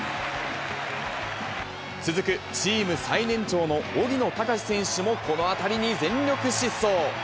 続くチーム最年長の荻野貴司選手も、この当たりに全力疾走。